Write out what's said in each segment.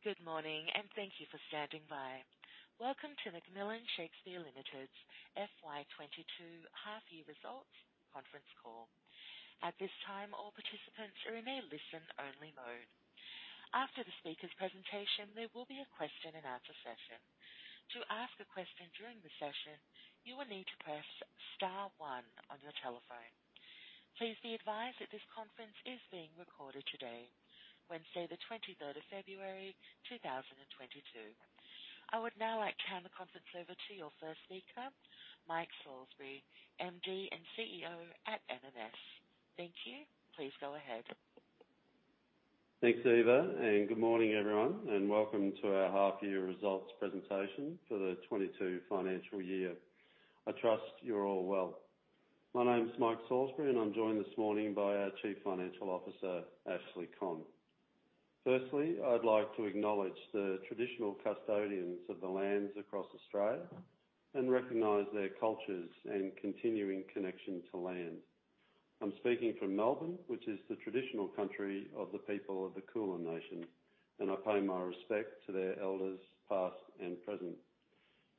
Good morning, and thank you for standing by. Welcome to McMillan Shakespeare Limited's FY 2022 Half-Year Results Conference Call. At this time, all participants are in a listen-only mode. After the speaker's presentation, there will be a question-and-answer session. To ask a question during the session, you will need to press star one on your telephone. Please be advised that this conference is being recorded today, Wednesday, the 23rd of February, 2022. I would now like to hand the conference over to your first speaker, Mike Salisbury, MD and CEO at MMS. Thank you. Please go ahead. Thanks, Eva, and good morning, everyone, and welcome to our half year results presentation for the 2022 financial year. I trust you're all well. My name is Mike Salisbury, and I'm joined this morning by our Chief Financial Officer, Ashley Conn. Firstly, I'd like to acknowledge the traditional custodians of the lands across Australia and recognize their cultures and continuing connection to land. I'm speaking from Melbourne, which is the traditional country of the people of the Kulin Nation, and I pay my respect to their elders, past and present.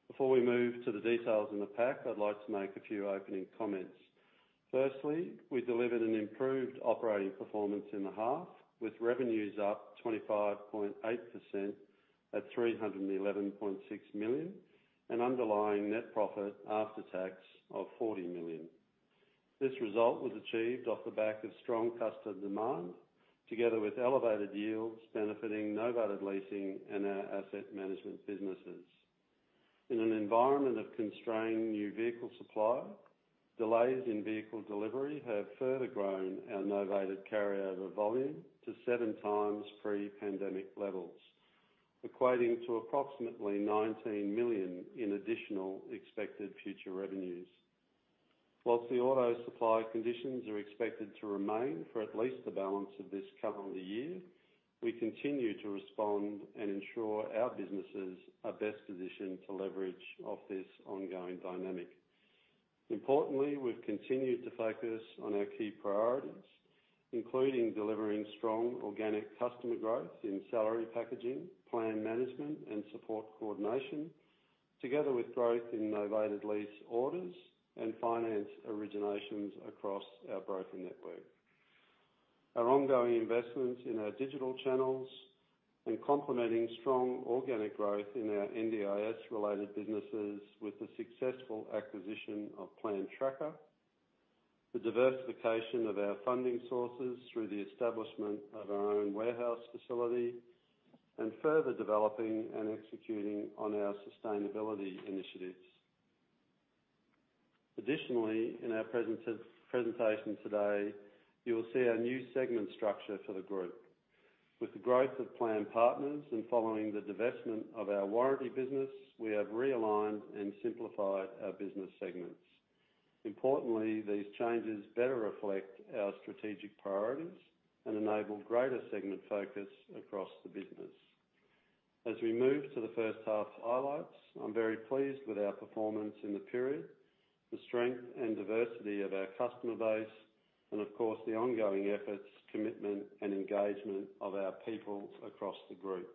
Before we move to the details in the pack, I'd like to make a few opening comments. Firstly, we delivered an improved operating performance in the half, with revenues up 25.8% at 311.6 million and underlying net profit after tax of 40 million. This result was achieved off the back of strong customer demand, together with elevated yields benefiting novated leasing and our Asset Management businesses. In an environment of constrained new vehicle supply, delays in vehicle delivery have further grown our novated carryover volume to seven times pre-pandemic levels, equating to approximately 19 million in additional expected future revenues. While the auto supply conditions are expected to remain for at least the balance of this current year, we continue to respond and ensure our businesses are best positioned to leverage off this ongoing dynamic. Importantly, we've continued to focus on our key priorities, including delivering strong organic customer growth in salary packaging, plan management, and support coordination, together with growth in novated lease orders and finance originations across our broker network. Our ongoing investments in our digital channels and complementing strong organic growth in our NDIS-related businesses with the successful acquisition of Plan Tracker, the diversification of our funding sources through the establishment of our own warehouse facility, and further developing and executing on our sustainability initiatives. Additionally, in our presentation today, you will see our new segment structure for the group. With the growth of Plan Partners and following the divestment of our warranty business, we have realigned and simplified our business segments. Importantly, these changes better reflect our strategic priorities and enable greater segment focus across the business. As we move to the first half's highlights, I'm very pleased with our performance in the period, the strength and diversity of our customer base, and of course, the ongoing efforts, commitment, and engagement of our people across the group.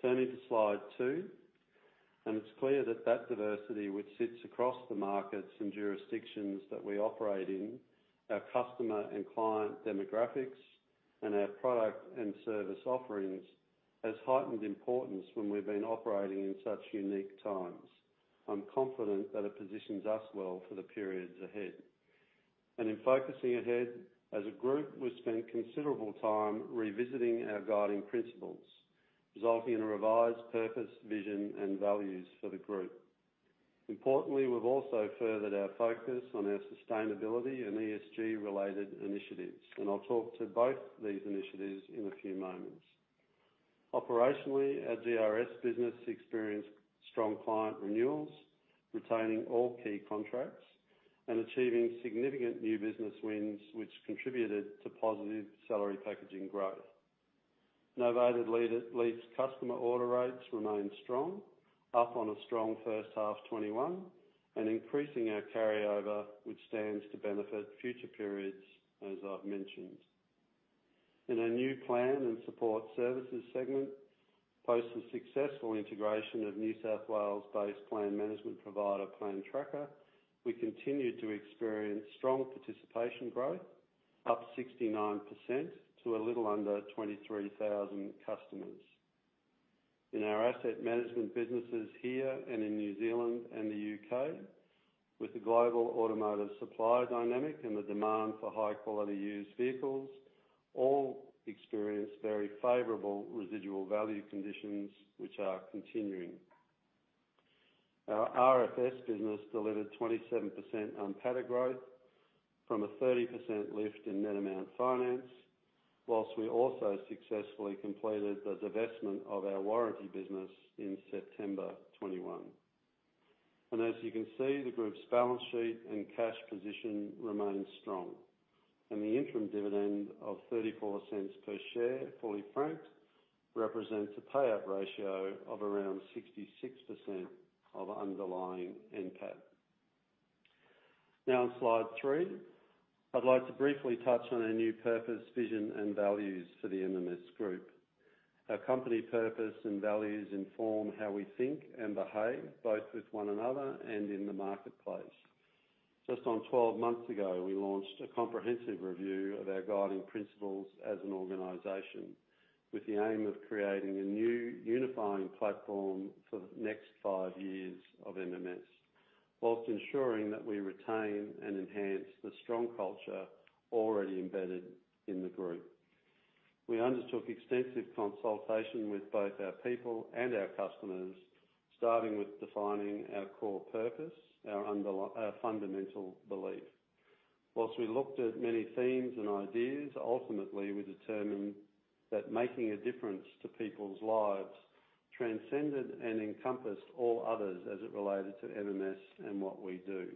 Turning to slide two. It's clear that that diversity, which sits across the markets and jurisdictions that we operate in, our customer and client demographics, and our product and service offerings, has heightened importance when we've been operating in such unique times. I'm confident that it positions us well for the periods ahead. In focusing ahead, as a group, we've spent considerable time revisiting our guiding principles, resulting in a revised purpose, vision, and values for the group. Importantly, we've also furthered our focus on our sustainability and ESG related initiatives, and I'll talk to both these initiatives in a few moments. Operationally, our GRS business experienced strong client renewals, retaining all key contracts and achieving significant new business wins, which contributed to positive salary packaging growth. Novated lease customer order rates remain strong, up on a strong first half 2021 and increasing our carryover, which stands to benefit future periods, as I've mentioned. In our new Plan and Support Services segment, post the successful integration of New South Wales-based plan management provider, Plan Tracker, we continued to experience strong participation growth, up 69% to a little under 23,000 customers. In our Asset Management businesses here and in New Zealand and the U.K., with the global automotive supply dynamic and the demand for high-quality used vehicles, all experienced very favorable residual value conditions, which are continuing. Our RFS business delivered 27% NPAT growth from a 30% lift in net amount finance, while we also successfully completed the divestment of our warranty business in September 2021. As you can see, the group's balance sheet and cash position remains strong. The interim dividend of 0.34 per share, fully franked, represents a payout ratio of around 66% of underlying NPAT. Now on slide three, I'd like to briefly touch on our new purpose, vision, and values for the MMS Group. Our company purpose and values inform how we think and behave, both with one another and in the marketplace. Just on 12 months ago, we launched a comprehensive review of our guiding principles as an organization, with the aim of creating a new unifying platform for the next five years of MMS, while ensuring that we retain and enhance the strong culture already embedded in the group. We undertook extensive consultation with both our people and our customers, starting with defining our core purpose, our fundamental belief. While we looked at many themes and ideas, ultimately, we determined that making a difference to people's lives transcended and encompassed all others as it related to MMS and what we do.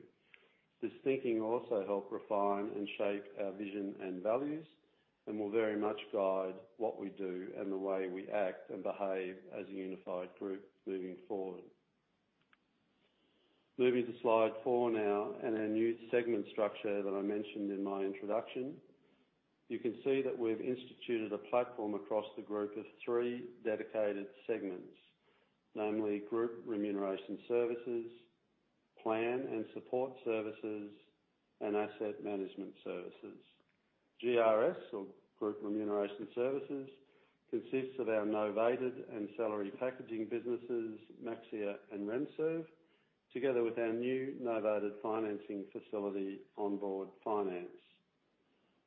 This thinking also helped refine and shape our vision and values, and will very much guide what we do and the way we act and behave as a unified group moving forward. Moving to slide 4 now, and our new segment structure that I mentioned in my introduction. You can see that we've instituted a platform across the group of three dedicated segments: namely Group Remuneration Services, Plan and Support Services, and Asset Management Services. GRS or Group Remuneration Services consists of our novated and salary packaging businesses, Maxxia and RemServ, together with our new novated financing facility, Onboard Finance.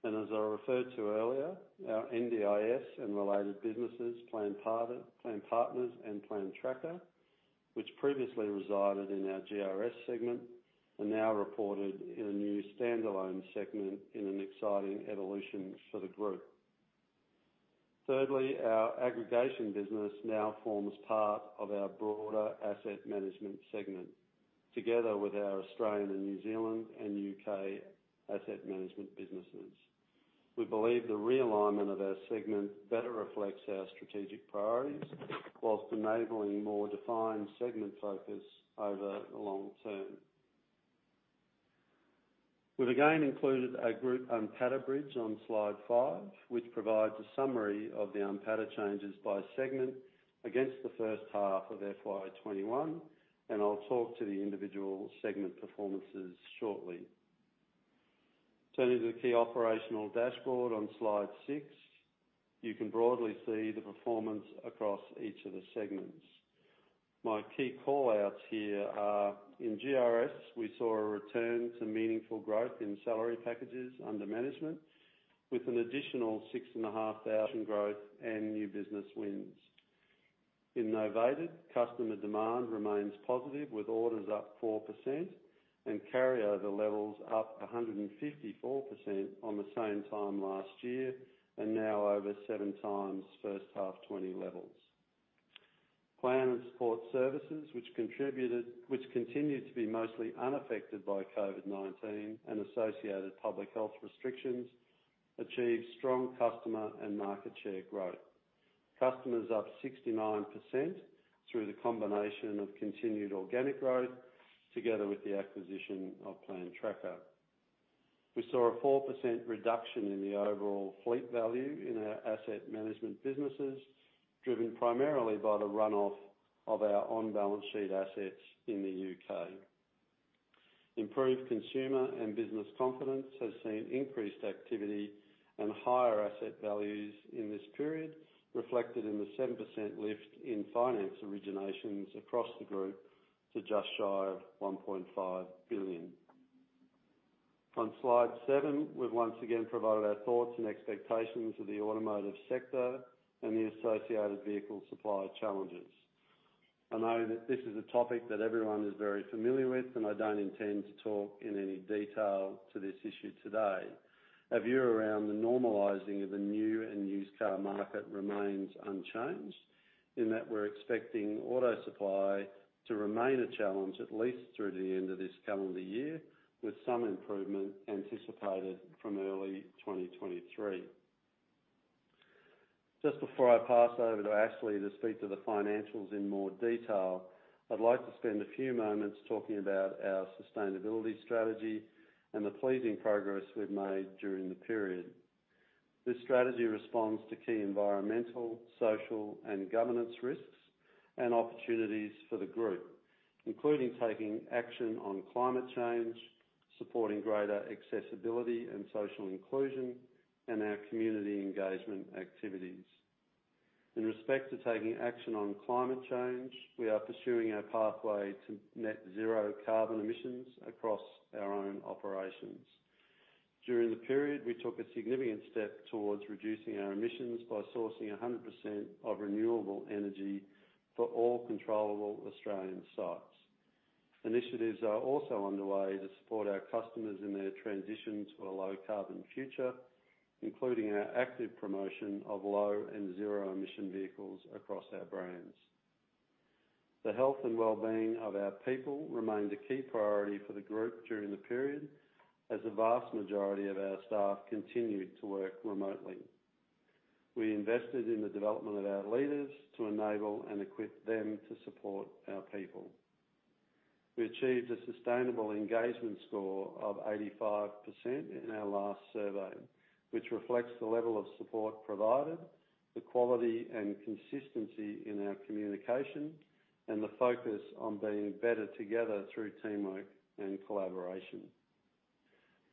As I referred to earlier, our NDIS and related businesses, Plan Partners and Plan Tracker which previously resided in our GRS segment, are now reported in a new standalone segment in an exciting evolution for the group. Thirdly, our aggregation business now forms part of our broader Asset Management segment, together with our Australian and New Zealand and U.K. Asset Management businesses. We believe the realignment of our segment better reflects our strategic priorities, while enabling more defined segment focus over the long term. We've again included a group UNPATA bridge on slide 5, which provides a summary of the UNPATA changes by segment against the first half of FY 2021, and I'll talk to the individual segment performances shortly. Turning to the key operational dashboard on slide 6, you can broadly see the performance across each of the segments. My key call-outs here are, in GRS, we saw a return to meaningful growth in salary packages under management, with an additional 6,500 growth and new business wins. In novated, customer demand remains positive, with orders up 4% and carry over levels up 154% on the same time last year, and now over seven times first half 2020 levels. Plan and Support Services, which continued to be mostly unaffected by COVID-19 and associated public health restrictions, achieved strong customer and market share growth. Customers up 69% through the combination of continued organic growth together with the acquisition of Plan Tracker. We saw a 4% reduction in the overall fleet value in our Asset Management businesses, driven primarily by the runoff of our on-balance sheet assets in the U.K. Improved consumer and business confidence has seen increased activity and higher asset values in this period, reflected in the 7% lift in finance originations across the group to just shy of 1.5 billion. On slide 7, we've once again provided our thoughts and expectations of the automotive sector and the associated vehicle supply challenges. I know that this is a topic that everyone is very familiar with, and I don't intend to talk in any detail to this issue today. Our view around the normalizing of the new and used car market remains unchanged, in that we're expecting auto supply to remain a challenge at least through the end of this calendar year, with some improvement anticipated from early 2023. Just before I pass over to Ashley to speak to the financials in more detail, I'd like to spend a few moments talking about our sustainability strategy and the pleasing progress we've made during the period. This strategy responds to key environmental, social, and governance risks and opportunities for the group, including taking action on climate change, supporting greater accessibility and social inclusion, and our community engagement activities. In respect to taking action on climate change, we are pursuing our pathway to net zero carbon emissions across our own operations. During the period, we took a significant step towards reducing our emissions by sourcing 100% of renewable energy for all controllable Australian sites. Initiatives are also underway to support our customers in their transitions to a low carbon future, including our active promotion of low and zero-emission vehicles across our brands. The health and wellbeing of our people remained a key priority for the group during the period, as the vast majority of our staff continued to work remotely. We invested in the development of our leaders to enable and equip them to support our people. We achieved a sustainable engagement score of 85% in our last survey, which reflects the level of support provided, the quality and consistency in our communication, and the focus on being better together through teamwork and collaboration.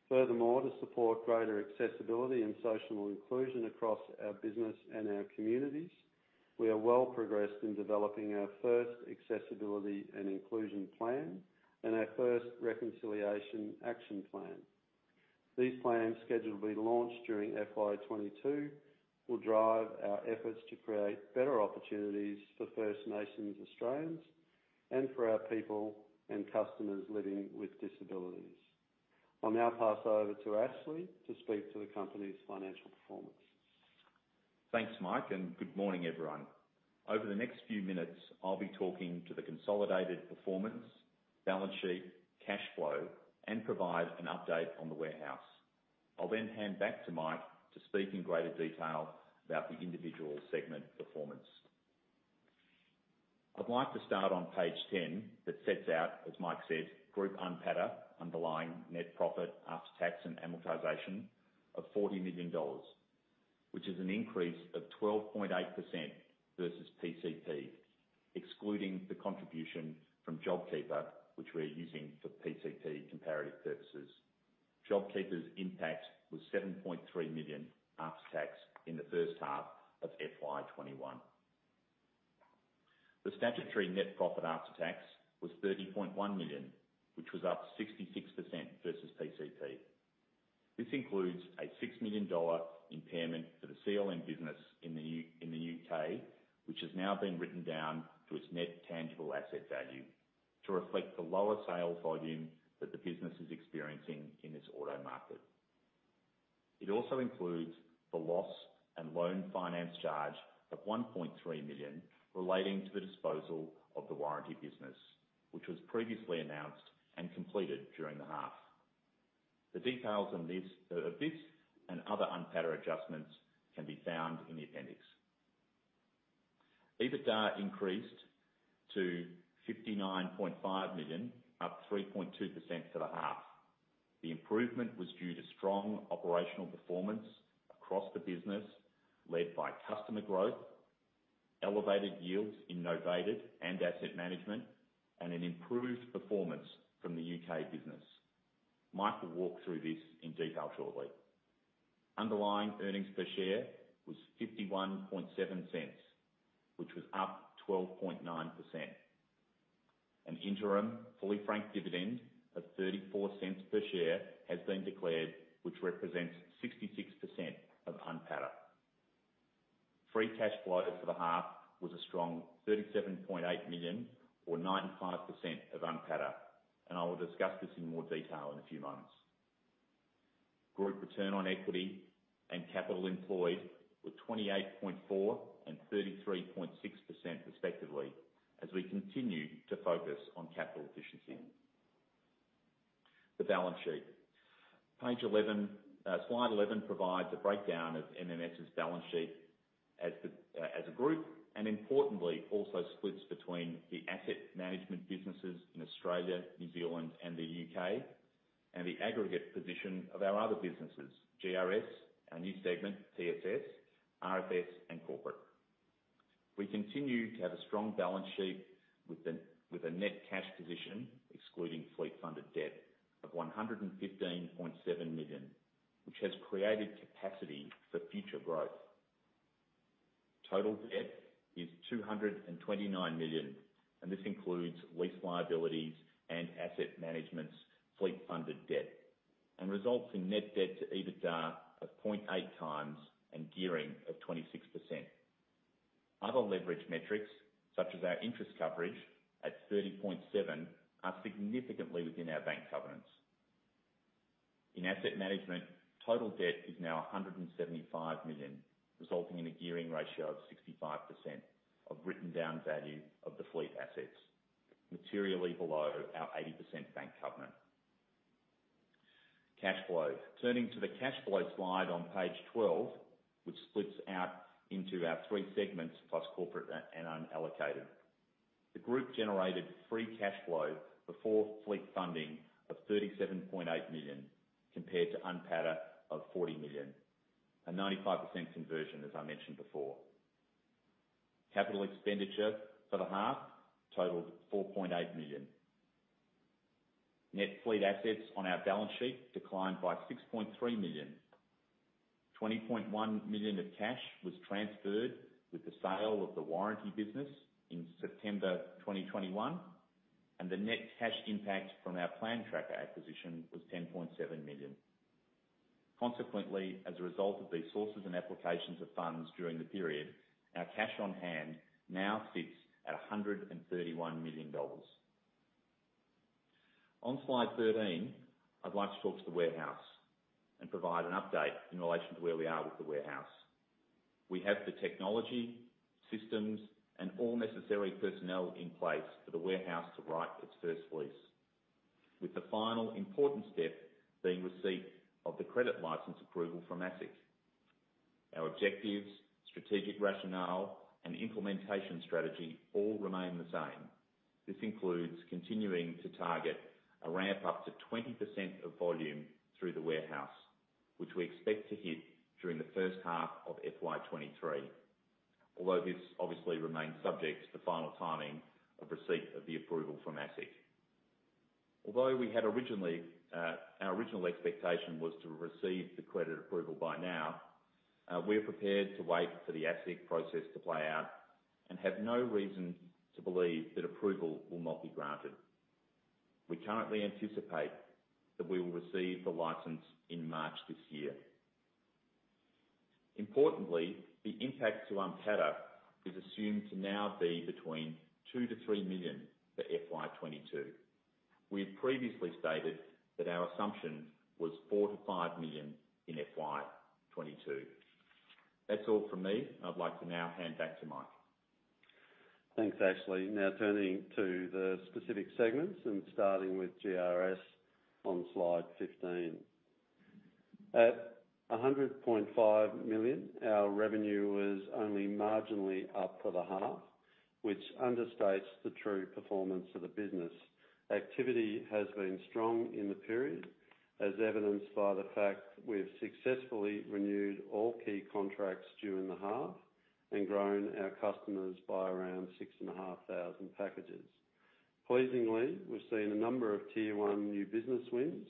Furthermore, to support greater accessibility and social inclusion across our business and our communities, we are well progressed in developing our first accessibility and inclusion plan and our first Reconciliation Action Plan. These plans, scheduled to be launched during FY 2022, will drive our efforts to create better opportunities for First Nations Australians and for our people and customers living with disabilities. I'll now pass over to Ashley to speak to the company's financial performance. Thanks, Mike, and good morning, everyone. Over the next few minutes, I'll be talking to the consolidated performance, balance sheet, cash flow, and provide an update on the warehouse. I'll then hand back to Mike to speak in greater detail about the individual segment performance. I'd like to start on page 10 that sets out, as Mike said, group NPATA, underlying net profit after tax and amortization of 40 million dollars, which is an increase of 12.8% versus PCP, excluding the contribution from JobKeeper, which we're using for PCP comparative purposes. JobKeeper's impact was 7.3 million after tax in the first half of FY 2021. The statutory net profit after tax was 30.1 million, which was up 66% versus PCP. This includes an 6 million dollar impairment for the CLM business in the UK, which has now been written down to its net tangible asset value to reflect the lower sales volume that the business is experiencing in this auto market. It also includes the loss and loan finance charge of 1.3 million relating to the disposal of the warranty business, which was previously announced and completed during the half. The details on this and other NPATA adjustments can be found in the appendix. EBITDA increased to 59.5 million, up 3.2% for the half. The improvement was due to strong operational performance across the business, led by customer growth, elevated yields in Novated and Asset Management, and an improved performance from the U.K. business. Mike will walk through this in detail shortly. Underlying earnings per share was 0.517, which was up 12.9%. An interim fully franked dividend of 0.34 per share has been declared, which represents 66% of NPATA. Free cash flow for the half was a strong 37.8 million, or 95% of NPATA, and I will discuss this in more detail in a few moments. Group return on equity and capital employed were 28.4% and 33.6% respectively as we continue to focus on capital efficiency. The balance sheet. Page 11, slide 11 provides a breakdown of MMS's balance sheet as a group, and importantly, also splits between the Asset Management businesses in Australia, New Zealand and the U.K., and the aggregate position of our other businesses, GRS, our new segment, PSS, RFS and corporate. We continue to have a strong balance sheet with a net cash position, excluding fleet funded debt of 115.7 million, which has created capacity for future growth. Total debt is 229 million, and this includes lease liabilities and Asset Management's fleet funded debt, and results in net debt to EBITDA of 0.8 times and gearing of 26%. Other leverage metrics, such as our interest coverage at 30.7, are significantly within our bank covenants. In Asset Management, total debt is now 175 million, resulting in a gearing ratio of 65% of written down value of the fleet assets, materially below our 80% bank covenant. Cash flow. Turning to the cash flow slide on page 12, which splits out into our three segments plus corporate and unallocated. The group generated free cash flow before fleet funding of 37.8 million, compared to NPATA of 40 million. A 95% conversion, as I mentioned before. Capital expenditure for the half totaled 4.8 million. Net fleet assets on our balance sheet declined by 6.3 million. 20.1 million of cash was transferred with the sale of the warranty business in September 2021, and the net cash impact from our Plan Tracker acquisition was 10.7 million. Consequently, as a result of these sources and applications of funds during the period, our cash on hand now sits at 131 million dollars. On slide 13, I'd like to talk to the warehouse and provide an update in relation to where we are with the warehouse. We have the technology, systems, and all necessary personnel in place for the warehouse to write its first lease. With the final important step being receipt of the credit license approval from ASIC. Our objectives, strategic rationale, and implementation strategy all remain the same. This includes continuing to target a ramp-up to 20% of volume through the warehouse, which we expect to hit during the first half of FY 2023. Although this obviously remains subject to final timing of receipt of the approval from ASIC. Although we had originally, our original expectation was to receive the credit approval by now, we are prepared to wait for the ASIC process to play out, and have no reason to believe that approval will not be granted. We currently anticipate that we will receive the license in March this year. Importantly, the impact to UNPATA is assumed to now be between 2 million-3 million for FY 2022. We had previously stated that our assumption was 4 million-5 million in FY 2022. That's all from me. I'd like to now hand back to Mike. Thanks, Ashley. Now turning to the specific segments, and starting with GRS on slide 15. At 100.5 million, our revenue was only marginally up for the half, which understates the true performance of the business. Activity has been strong in the period, as evidenced by the fact we've successfully renewed all key contracts during the half and grown our customers by around 6,500 packages. Pleasingly, we've seen a number of tier one new business wins,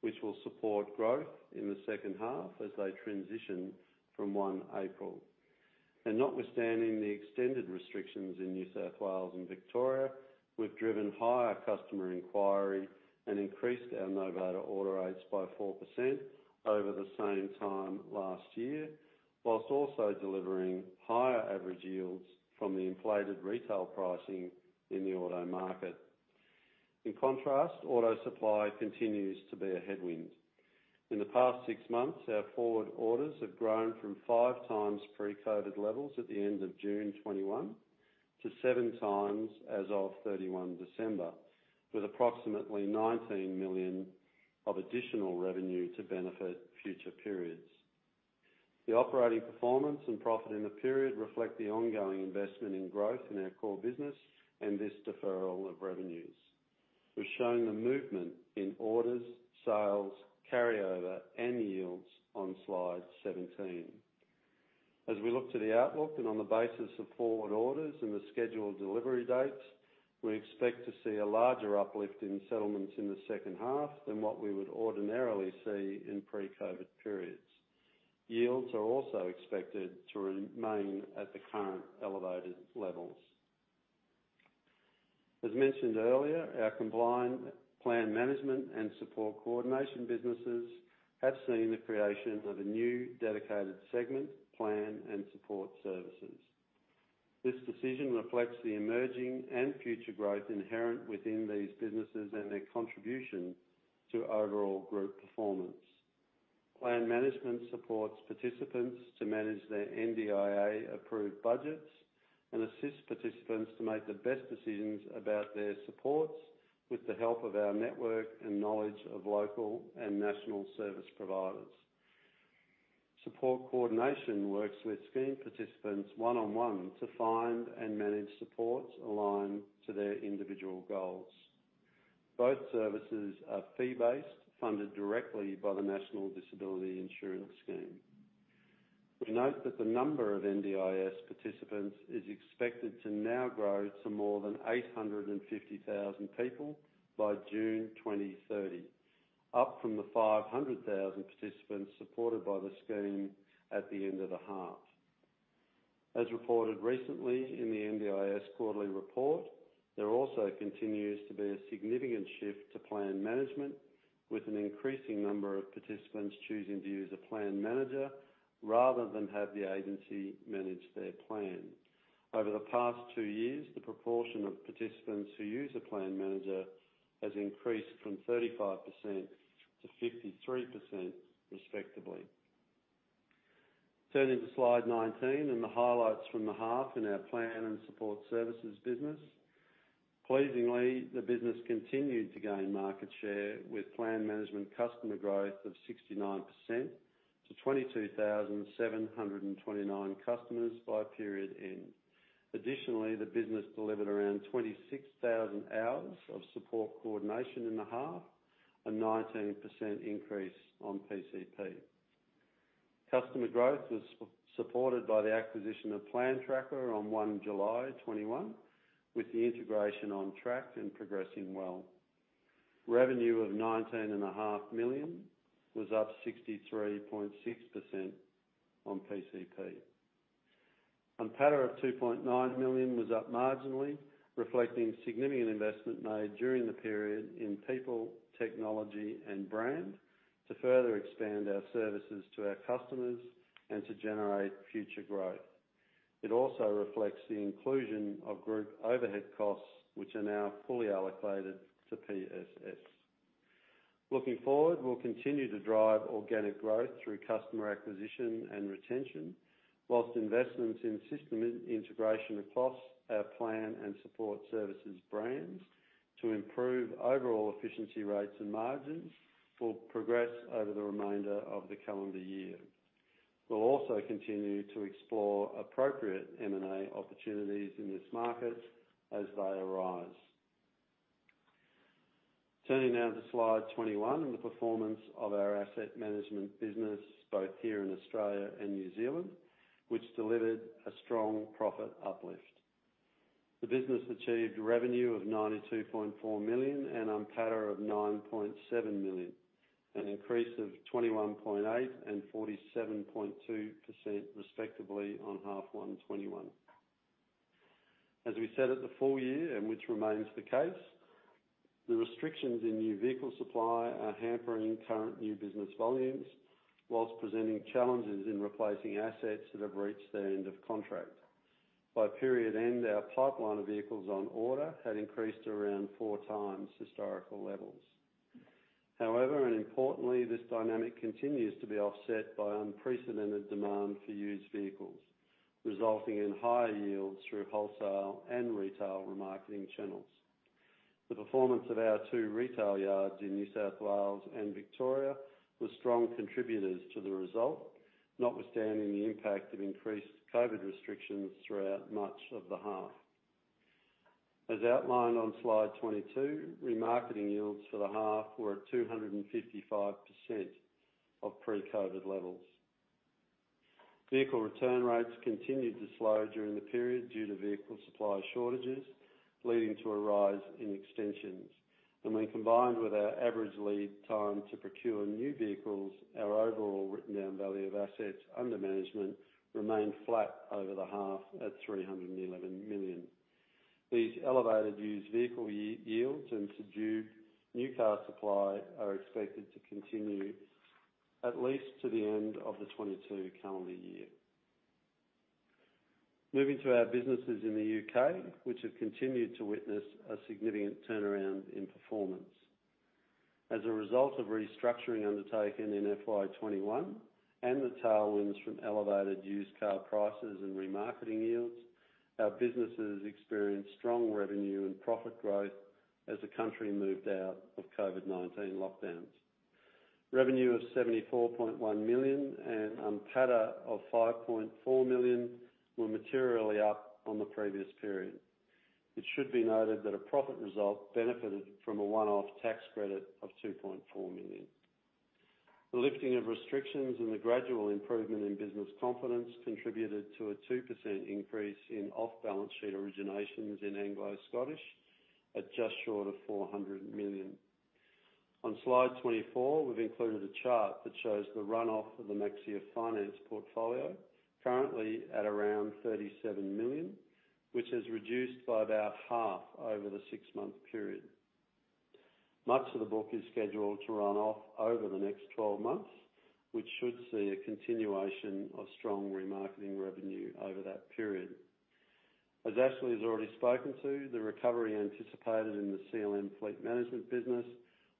which will support growth in the second half as they transition from 1 April. Notwithstanding the extended restrictions in New South Wales and Victoria, we've driven higher customer inquiry and increased our novated order rates by 4% over the same time last year, while also delivering higher average yields from the inflated retail pricing in the auto market. In contrast, auto supply continues to be a headwind. In the past six months, our forward orders have grown from five times pre-COVID levels at the end of June 2021 to seven times as of 31 December, with approximately 19 million of additional revenue to benefit future periods. The operating performance and profit in the period reflect the ongoing investment in growth in our core business and this deferral of revenues. We're showing the movement in orders, sales, carryover, and yields on slide 17. As we look to the outlook and on the basis of forward orders and the scheduled delivery dates, we expect to see a larger uplift in settlements in the second half than what we would ordinarily see in pre-COVID periods. Yields are also expected to remain at the current elevated levels. As mentioned earlier, our combined plan management and support coordination businesses have seen the creation of a new dedicated segment, Plan and Support Services. This decision reflects the emerging and future growth inherent within these businesses and their contribution to overall group performance. Plan management supports participants to manage their NDIA-approved budgets and assists participants to make the best decisions about their supports with the help of our network and knowledge of local and national service providers. Support coordination works with scheme participants one-on-one to find and manage supports aligned to their individual goals. Both services are fee-based, funded directly by the National Disability Insurance Scheme. We note that the number of NDIS participants is expected to now grow to more than 850,000 people by June 2030, up from the 500,000 participants supported by the scheme at the end of the half. As reported recently in the NDIS quarterly report, there also continues to be a significant shift to plan management, with an increasing number of participants choosing to use a plan manager rather than have the agency manage their plan. Over the past two years, the proportion of participants who use a plan manager has increased from 35%-53%, respectively. Turning to slide 19 and the highlights from the half in our Plan and Support Services business. Pleasingly, the business continued to gain market share with Plan Management customer growth of 69% to 22,729 customers by period end. Additionally, the business delivered around 26,000 hours of support coordination in the half, a 19% increase on PCP. Customer growth was supported by the acquisition of Plan Tracker on 1 July 2021, with the integration on track and progressing well. Revenue of 19.5 million was up 63.6% on PCP. UNPATA of 2.9 million was up marginally, reflecting significant investment made during the period in people, technology and brand to further expand our services to our customers and to generate future growth. It also reflects the inclusion of group overhead costs, which are now fully allocated to PSS. Looking forward, we'll continue to drive organic growth through customer acquisition and retention, while investments in system integration across our Plan and Support Services brands to improve overall efficiency rates and margins will progress over the remainder of the calendar year. We'll also continue to explore appropriate M&A opportunities in this market as they arise. Turning now to slide 21, and the performance of our Asset Management business, both here in Australia and New Zealand, which delivered a strong profit uplift. The business achieved revenue of 92.4 million and NPATA of 9.7 million, an increase of 21.8% and 47.2% respectively on H1 2021. As we said at the full year, and which remains the case, the restrictions in new vehicle supply are hampering current new business volumes while presenting challenges in replacing assets that have reached their end of contract. By period end, our pipeline of vehicles on order had increased around four times historical levels. However, and importantly, this dynamic continues to be offset by unprecedented demand for used vehicles, resulting in higher yields through wholesale and retail remarketing channels. The performance of our two retail yards in New South Wales and Victoria was strong contributors to the result, notwithstanding the impact of increased COVID restrictions throughout much of the half. As outlined on slide 22, remarketing yields for the half were at 255% of pre-COVID levels. Vehicle return rates continued to slow during the period due to vehicle supply shortages, leading to a rise in extensions. When combined with our average lead time to procure new vehicles, our overall written down value of assets under management remained flat over the half at 311 million. These elevated used vehicle yields and subdued new car supply are expected to continue at least to the end of the 2022 calendar year. Moving to our businesses in the U.K., which have continued to witness a significant turnaround in performance. As a result of restructuring undertaken in FY 2021 and the tailwinds from elevated used car prices and remarketing yields, our businesses experienced strong revenue and profit growth as the country moved out of COVID-19 lockdowns. Revenue of 74.1 million and NPATA of 5.4 million were materially up on the previous period. It should be noted that a profit result benefited from a one-off tax credit of 2.4 million. The lifting of restrictions and the gradual improvement in business confidence contributed to a 2% increase in off-balance sheet originations in Anglo Scottish at just short of 400 million. On slide 24, we've included a chart that shows the runoff of the Maxxia Finance portfolio, currently at around 37 million, which has reduced by about half over the six-month period. Much of the book is scheduled to run off over the next 12 months, which should see a continuation of strong remarketing revenue over that period. As Ashley has already spoken to, the recovery anticipated in the CLM Fleet Management business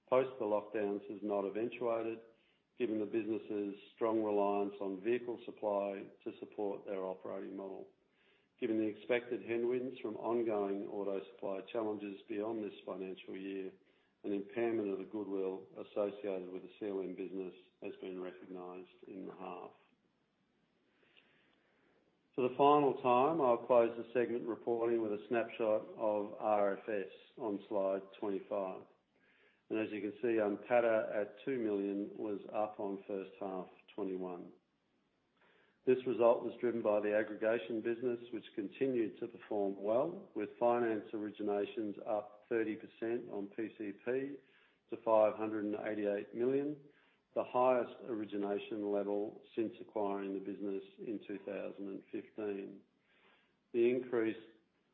post the lockdowns has not eventuated given the business's strong reliance on vehicle supply to support their operating model. Given the expected headwinds from ongoing auto supply challenges beyond this financial year, an impairment of the goodwill associated with the CLM business has been recognized in the half. For the final time, I'll close the segment reporting with a snapshot of RFS on slide 25. As you can see, NPATA at 2 million was up on first half 2021. This result was driven by the aggregation business, which continued to perform well, with finance originations up 30% on PCP to 588 million, the highest origination level since acquiring the business in 2015. The increased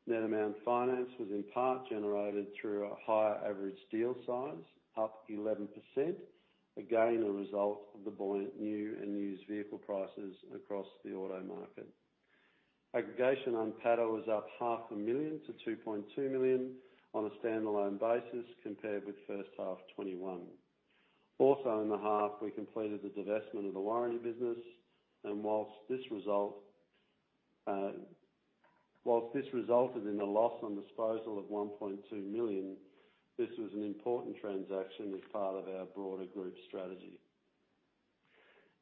net amount finance was in part generated through a higher average deal size, up 11%, again, a result of the buoyant new and used vehicle prices across the auto market. Aggregation NPATA was up AUD half a million to 2.2 million on a standalone basis compared with first half 2021. Also in the half, we completed the divestment of the warranty business, and whilst this resulted in a loss on disposal of 1.2 million, this was an important transaction as part of our broader group strategy.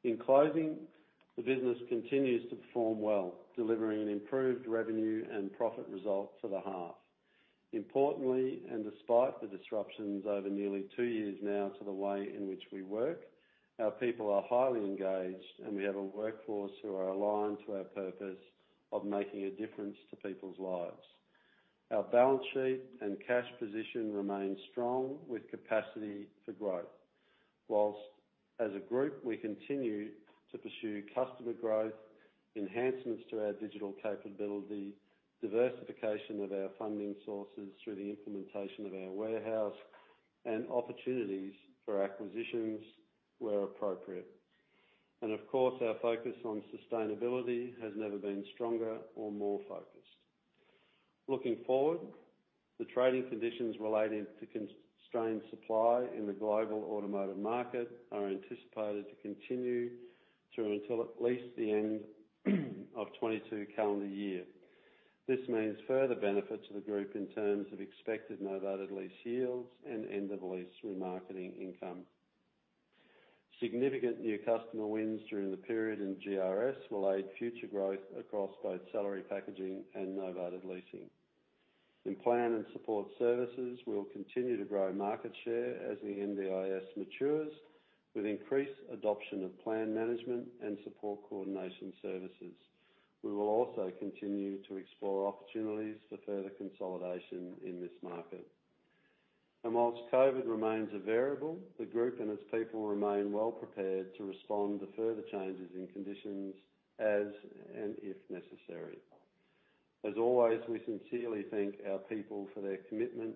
In closing, the business continues to perform well, delivering an improved revenue and profit result for the half. Importantly, and despite the disruptions over nearly two years now to the way in which we work, our people are highly engaged, and we have a workforce who are aligned to our purpose of making a difference to people's lives. Our balance sheet and cash position remain strong with capacity for growth. Whilst as a group, we continue to pursue customer growth, enhancements to our digital capability, diversification of our funding sources through the implementation of our warehouse, and opportunities for acquisitions where appropriate. Of course, our focus on sustainability has never been stronger or more focused. Looking forward, the trading conditions relating to constrained supply in the global automotive market are anticipated to continue through until at least the end of 2022 calendar year. This means further benefit to the group in terms of expected novated lease yields and end of lease remarketing income. Significant new customer wins during the period in GRS will aid future growth across both salary packaging and novated leasing. In Plan and Support Services, we'll continue to grow market share as the NDIS matures with increased adoption of plan management and support coordination services. We will also continue to explore opportunities for further consolidation in this market. While COVID remains a variable, the group and its people remain well prepared to respond to further changes in conditions as and if necessary. As always, we sincerely thank our people for their commitment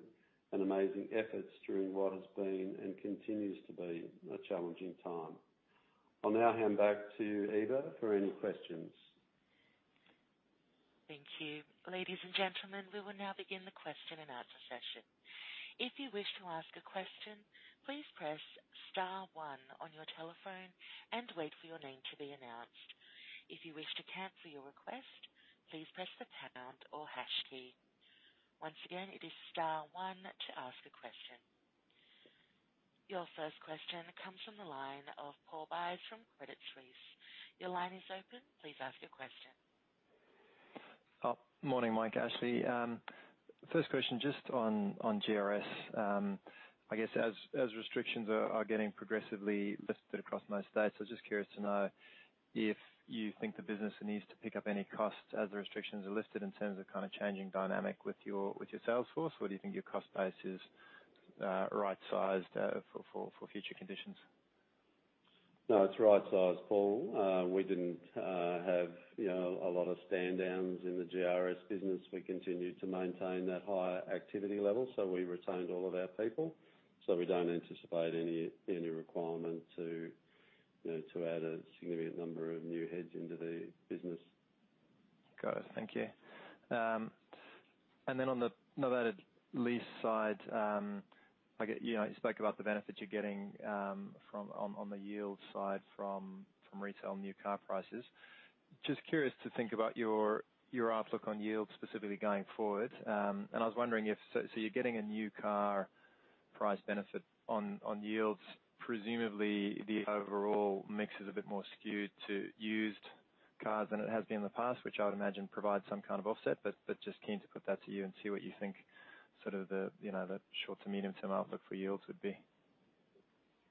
and amazing efforts during what has been and continues to be a challenging time. I'll now hand back to Eva for any questions. Thank you. Ladies and gentlemen, we will now begin the question and answer session. If you wish to ask a question, please press star one on your telephone and wait for your name to be announced. If you wish to cancel your request, please press the pound or hash key. Once again, it is star one to ask a question. Your first question comes from the line of Paul Buys from Credit Suisse. Your line is open. Please ask your question. Oh, morning, Mike, Ashley. First question, just on GRS. I guess as restrictions are getting progressively lifted across most states, I was just curious to know if you think the business needs to pick up any costs as the restrictions are lifted in terms of kind of changing dynamic with your sales force? Or do you think your cost base is right sized for future conditions? No, it's right sized, Paul. We didn't have, you know, a lot of standdowns in the GRS business. We continued to maintain that higher activity level, so we retained all of our people. We don't anticipate any requirement to, you know, to add a significant number of new heads into the business. Got it. Thank you. On the novated lease side, you know, you spoke about the benefit you're getting from the yield side from retail new car prices. Just curious to think about your outlook on yields specifically going forward. You're getting a new car price benefit on yields. Presumably, the overall mix is a bit more skewed to used cars than it has been in the past, which I would imagine provides some kind of offset. Just keen to put that to you and see what you think sort of, you know, the short- to medium-term outlook for yields would be.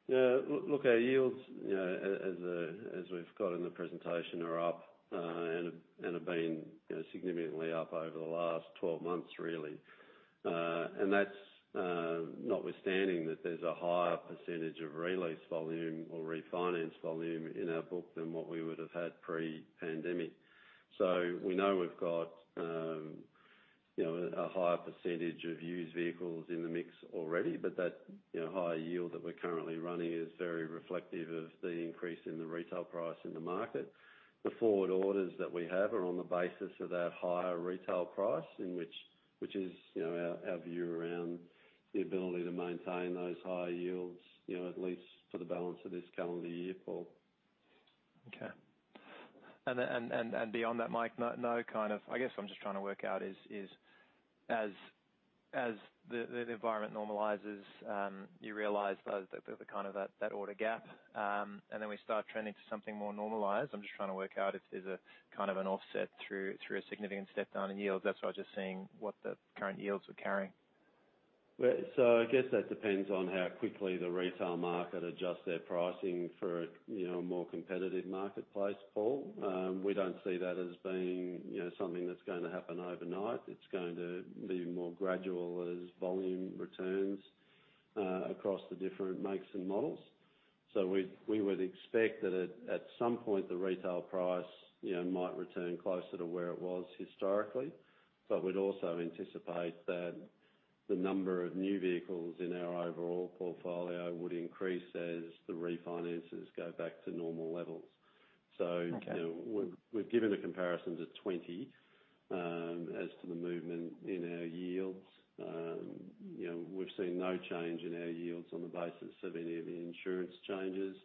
Look, our yields, you know, as we've got in the presentation, are up and have been, you know, significantly up over the last 12 months, really. That's notwithstanding that there's a higher percentage of re-lease volume or refinance volume in our book than what we would have had pre-pandemic. We know we've got, you know, a higher percentage of used vehicles in the mix already, but that, you know, higher yield that we're currently running is very reflective of the increase in the retail price in the market. The forward orders that we have are on the basis of that higher retail price, which is, you know, our view around the ability to maintain those higher yields, you know, at least for the balance of this calendar year, Paul. Okay. Then beyond that, Mike, no kind of I guess what I'm just trying to work out is as the environment normalizes, you realize the kind of that order gap, and then we start trending to something more normalized. I'm just trying to work out if there's a kind of an offset through a significant step down in yields. That's why I'm just seeing what the current yields are carrying. Well, I guess that depends on how quickly the retail market adjust their pricing for a, you know, more competitive marketplace, Paul. We don't see that as being, you know, something that's going to happen overnight. It's going to be more gradual as volume returns across the different makes and models. We would expect that at some point the retail price, you know, might return closer to where it was historically. We'd also anticipate that the number of new vehicles in our overall portfolio would increase as the refinances go back to normal levels. Okay. We're giving the comparisons at 2020 as to the movement in our yields. We've seen no change in our yields on the basis of any of the insurance changes.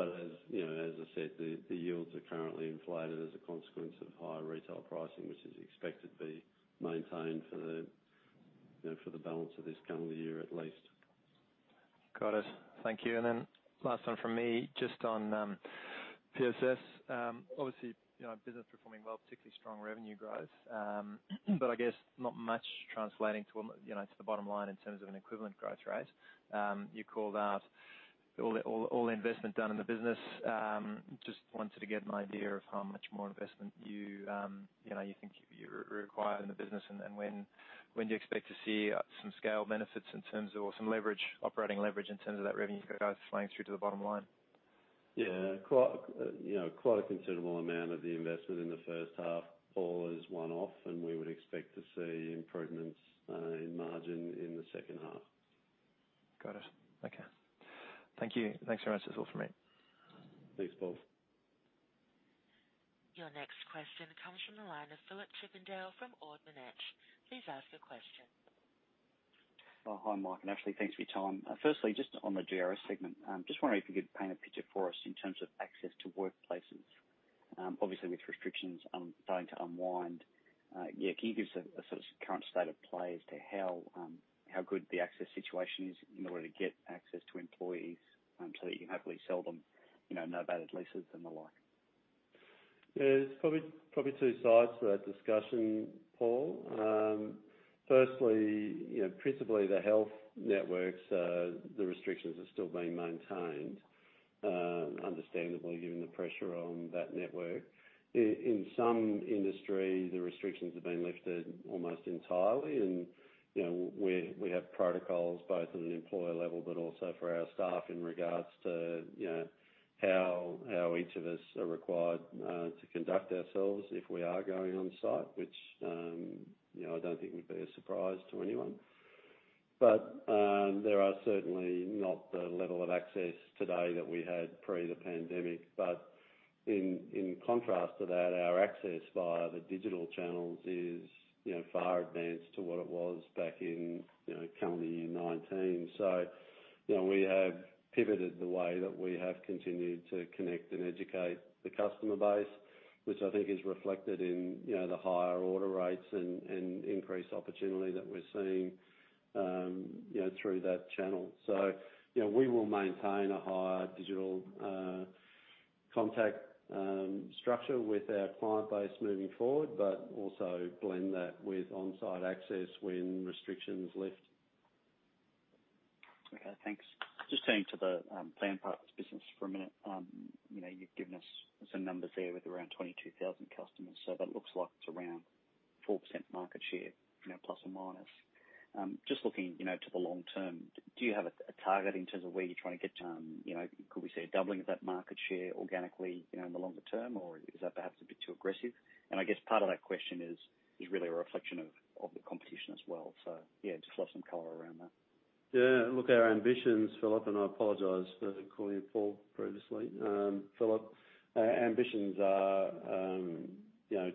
As I said, the yields are currently inflated as a consequence of higher retail pricing, which is expected to be maintained for the balance of this calendar year, at least. Got it. Thank you. Then last one from me, just on PSS. Obviously, you know, business performing well, particularly strong revenue growth. I guess not much translating to, you know, to the bottom line in terms of an equivalent growth rate. You called out all the investment done in the business. Just wanted to get an idea of how much more investment you know, you think you require in the business, and then when do you expect to see some scale benefits in terms of or some leverage, operating leverage in terms of that revenue growth flowing through to the bottom line? Yeah. You know, quite a considerable amount of the investment in the first half, Paul, is one-off, and we would expect to see improvements in margin in the second half. Got it. Okay. Thank you. Thanks very much. That's all for me. Thanks, Paul. Your next question comes from the line of Phillip Chippindale from Ord Minnett. Please ask your question. Oh, hi, Mark and Ashley. Thanks for your time. Firstly, just on the GRS segment, just wondering if you could paint a picture for us in terms of access to workplaces. Obviously with restrictions starting to unwind, can you give us a sort of current state of play as to how good the access situation is in order to get access to employees, so that you can happily sell them, you know, novated leases and the like? Yeah. There's probably two sides to that discussion, Phillip. Firstly, you know, principally the health networks, the restrictions are still being maintained, understandably, given the pressure on that network. In some industries, the restrictions have been lifted almost entirely and, you know, we have protocols both at an employer level, but also for our staff in regards to, you know, how each of us are required to conduct ourselves if we are going on site, which, you know, I don't think would be a surprise to anyone. There are certainly not the level of access today that we had pre the pandemic, but in contrast to that, our access via the digital channels is, you know, far advanced to what it was back in, you know, calendar year 2019. You know, we have pivoted the way that we have continued to connect and educate the customer base, which I think is reflected in, you know, the higher order rates and increased opportunity that we're seeing, you know, through that channel. You know, we will maintain a higher digital contact structure with our client base moving forward, but also blend that with on-site access when restrictions lift. Okay. Thanks. Just sticking to the Plan Partners business for a minute. You know, you've given us some numbers there with around 22,000 customers, so that looks like it's around 4% market share, you know, plus or minus. Just looking, you know, to the long term, do you have a target in terms of where you're trying to get to, you know, could we see a doubling of that market share organically, you know, in the longer term, or is that perhaps a bit too aggressive? I guess part of that question is really a reflection of the competition as well. Yeah, just like some color around that. Yeah. Look, our ambitions, Phillip, and I apologize for calling you Paul previously. Phillip, our ambitions are, you know,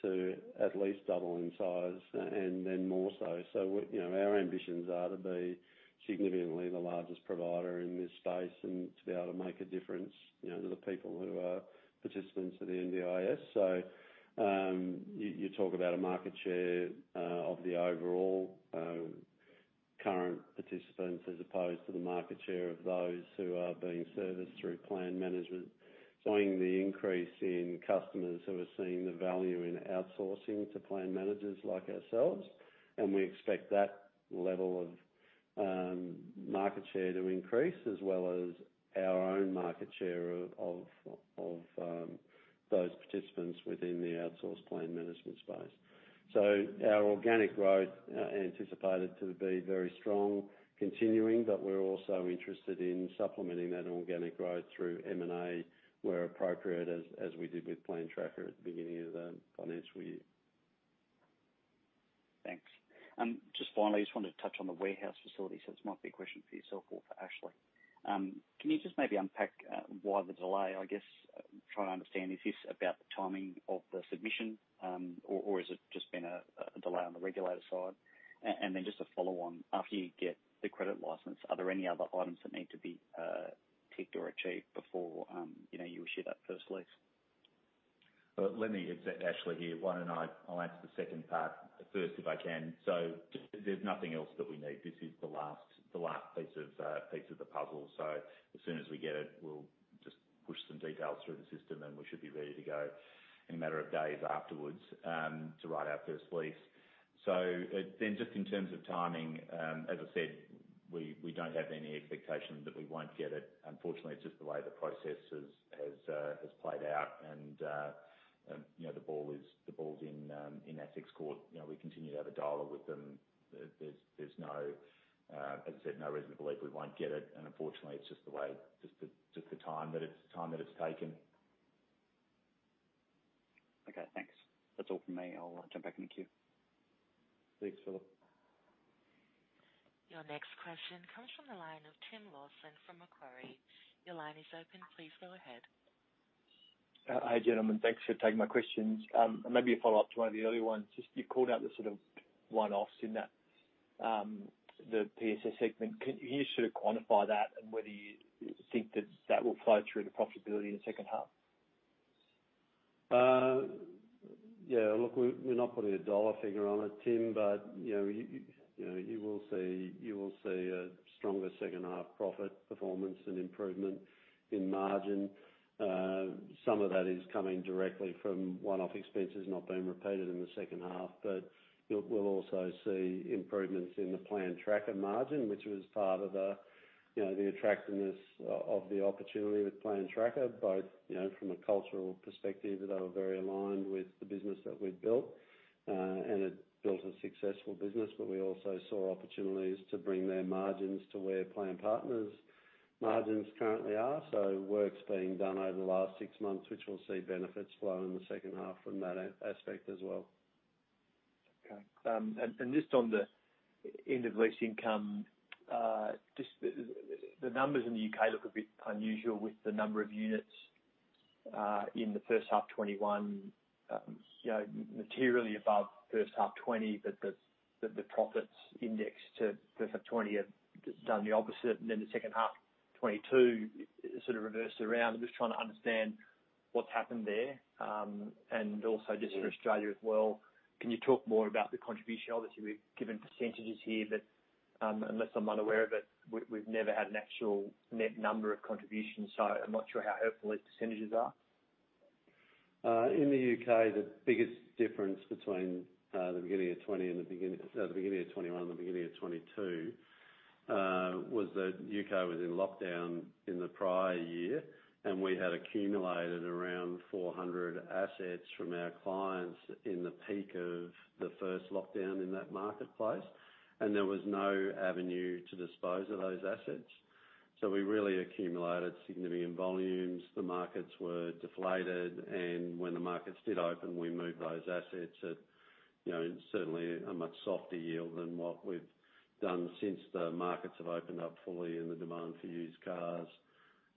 to at least double in size and then more so. You know, our ambitions are to be significantly the largest provider in this space and to be able to make a difference, you know, to the people who are participants in the NDIS. You talk about a market share of the overall current participants as opposed to the market share of those who are being serviced through plan management, seeing the increase in customers who are seeing the value in outsourcing to plan managers like ourselves, and we expect that level of market share to increase as well as our own market share of those participants within the outsourced plan management space. Our organic growth anticipated to be very strong continuing, but we're also interested in supplementing that organic growth through M&A where appropriate, as we did with Plan Tracker at the beginning of the financial year. Thanks. Just finally, I just wanted to touch on the warehouse facilities. This might be a question for yourself or for Ashley. Can you just maybe unpack why the delay? I guess, trying to understand, is this about the timing of the submission, or has it just been a delay on the regulator side? Just to follow on, after you get the credit license, are there any other items that need to be ticked or achieved before, you know, you issue that first lease. It's Ashley here. Why don't I answer the second part first, if I can. There's nothing else that we need. This is the last piece of the puzzle. As soon as we get it, we'll just push some details through the system, and we should be ready to go in a matter of days afterwards, to write our first lease. Just in terms of timing, as I said, we don't have any expectation that we won't get it. Unfortunately, it's just the way the process has played out and, you know, the ball's in ASIC's court. You know, we continue to have a dialogue with them. There's no reason to believe we won't get it, as I said. Unfortunately, it's just the time that it's taken. Okay, thanks. That's all from me. I'll jump back in the queue. Thanks, Phillip. Your next question comes from the line of Tim Lawson from Macquarie. Your line is open. Please go ahead. Hi, gentlemen. Thanks for taking my questions. Maybe a follow-up to one of the earlier ones. Just you called out the sort of one-offs in that, the PSS segment. Can you sort of quantify that and whether you think that will flow through to profitability in the second half? Yeah, look, we're not putting a dollar figure on it, Tim, but you know, you will see a stronger second half profit performance and improvement in margin. Some of that is coming directly from one-off expenses not being repeated in the second half. We'll also see improvements in the Plan Tracker margin, which was part of the attractiveness of the opportunity with Plan Tracker, both you know, from a cultural perspective, they were very aligned with the business that we'd built and had built a successful business. We also saw opportunities to bring their margins to where Plan Partners' margins currently are. Work's being done over the last six months, which will see benefits flow in the second half from that aspect as well. Okay. Just on the end of lease income, just the numbers in the U.K. look a bit unusual with the number of units in the first half 2021, you know, materially above first half 2020. The profits indexed to first half 2020 have done the opposite, and then the second half 2022 sort of reversed around. I'm just trying to understand what's happened there. Also just for Australia as well, can you talk more about the contribution? Obviously, we've given percentages here, but unless I'm unaware of it, we've never had an actual net number of contributions, so I'm not sure how helpful those percentages are. In the U.K., the biggest difference between the beginning of 2020 and the beginning of 2021 and the beginning of 2022 was that the U.K. was in lockdown in the prior year, and we had accumulated around 400 assets from our clients in the peak of the first lockdown in that marketplace, and there was no avenue to dispose of those assets. We really accumulated significant volumes. The markets were deflated, and when the markets did open, we moved those assets at, you know, certainly a much softer yield than what we've done since the markets have opened up fully and the demand for used cars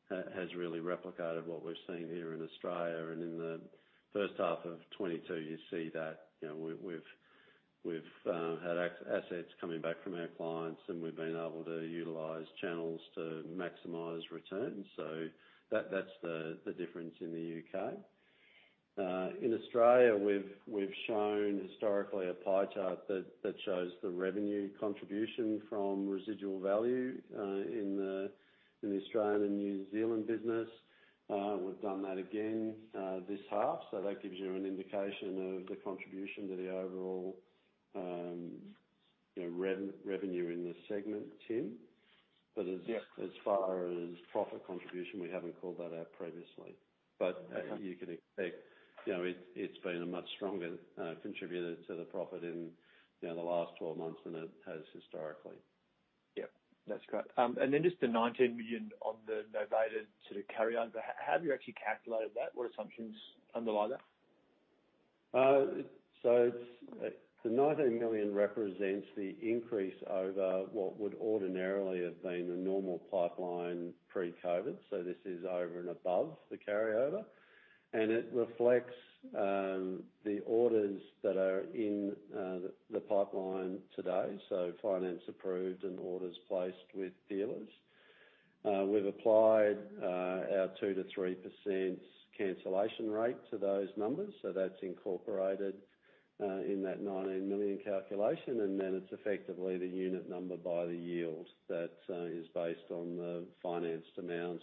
has really replicated what we're seeing here in Australia. In the first half of 2022, you see that we've had assets coming back from our clients, and we've been able to utilize channels to maximize returns. That's the difference in the U.K. In Australia, we've shown historically a pie chart that shows the revenue contribution from residual value in the Australian and New Zealand business. We've done that again this half. That gives you an indication of the contribution to the overall revenue in the segment, Tim. Yes. As far as profit contribution, we haven't called that out previously. Okay. You can expect, you know, it's been a much stronger contributor to the profit in, you know, the last 12 months than it has historically. Yeah, that's great. Just the 19 million on the novated sort of carryover, how have you actually calculated that? What assumptions underlie that? The 19 million represents the increase over what would ordinarily have been a normal pipeline pre-COVID. This is over and above the carryover, and it reflects the orders that are in the pipeline today, so finance approved and orders placed with dealers. We've applied our 2%-3% cancellation rate to those numbers, so that's incorporated in that 19 million calculation. It's effectively the unit number by the yield that is based on the financed amount